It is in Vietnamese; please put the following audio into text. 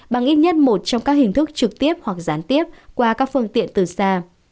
bằng ít nhất một trong các hình thức trực tiếp hoặc gián tiếp qua các phương tiện từ xa